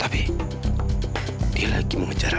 tapi dia lagi mengejar